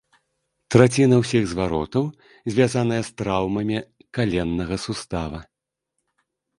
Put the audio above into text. Траціна ўсіх зваротаў звязаная з траўмамі каленнага сустава.